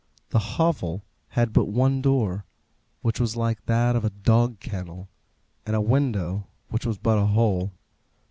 The hovel had but one door, which was like that of a dog kennel; and a window, which was but a hole.